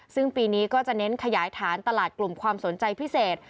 ซึ่งปีนี้ก็จะเน้นขยายฐานตลาดกลุ่มความสนใจพิเศษ